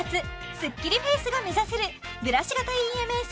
スッキリフェイスが目指せるブラシ型ＥＭＳ